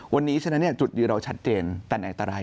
วันนี้ฉะนั้นจุดยืนเราชัดเจนแต่ไหนอันตราย